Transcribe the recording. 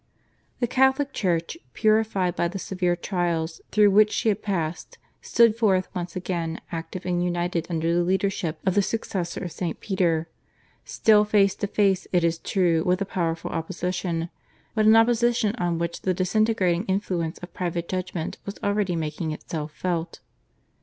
The Catholic Church, purified by the severe trials through which she had passed, stood forth once again active and united under the leadership of the Successor of St. Peter, still face to face it is true with a powerful opposition, but an opposition on which the disintegrating influence of private judgment was already making itself felt.